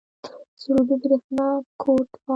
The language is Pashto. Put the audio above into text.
سروبي بریښنا کوټ فعال دی؟